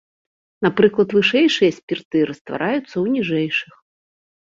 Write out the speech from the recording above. Напрыклад вышэйшыя спірты раствараюцца ў ніжэйшых.